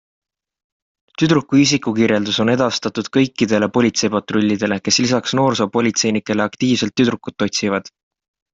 Tüdruku isikukirjeldus on edastatud kõikidele politseipatrullidele, kes lisaks noorsoopolitseinikele aktiivselt tüdrukut otsivad.